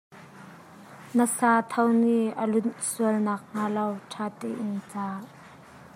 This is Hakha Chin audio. Na sa tho nih a lunh sual nak hnga lo ṭha tein car.